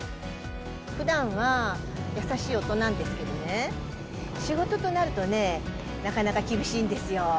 ふだんは優しい夫なんですけどね、仕事となるとね、なかなか厳しいんですよ。